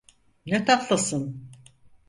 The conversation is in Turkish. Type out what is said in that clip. Ne tatlısın.